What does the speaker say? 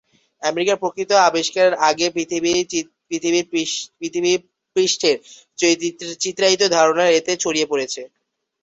আমেরিকার প্রকৃত আবিষ্কারের আগের পৃথিবী পৃষ্ঠের চিত্রিত ধারণার এতে ছড়িয়ে রয়েছে।